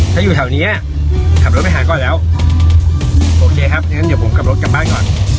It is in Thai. ถ้าอยู่แถวเนี้ยขับรถไปหาก่อนแล้วโอเคครับอย่างนั้นเดี๋ยวผมขับรถกลับบ้านก่อน